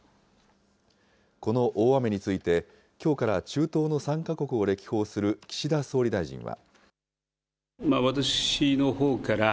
この大雨についてきょうから中東の３か国を歴訪する岸田総理大臣は。